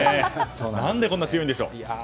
何でこんな強いんでしょう。